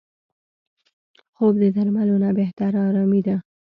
خوب د درملو نه بهتره آرامي ده